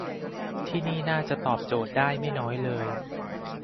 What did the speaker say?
ที่นี่น่าจะตอบโจทย์ได้ไม่น้อยเลย